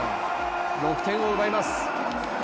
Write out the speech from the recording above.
６点を奪います。